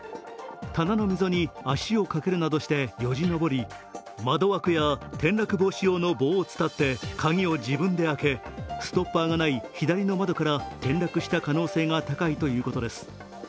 棚の溝に足をかけるなどしてよじ登り、窓枠や転落防止用の棒を使って鍵を自分で開けストッパーがない左の窓から転落した可能性が高いということです。